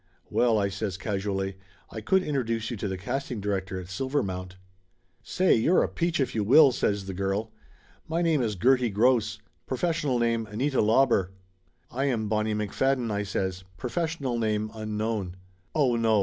"Well," I says casually, "I could introduce you to the casting director at Silvermount." "Say, you're a peach if you will!" says the girl. "My name is Gertie Gross. Professional name, Anita Lauber." "I am Bonnie McFadden," I says. "Professional name unknown !" "Oh, no!